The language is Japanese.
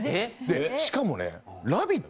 しかもね、「ラヴィット！」